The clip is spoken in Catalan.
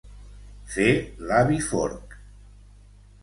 Fer l'avi Forc.